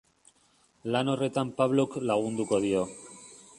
Lan horretan Pablok lagunduko dio.